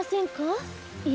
え？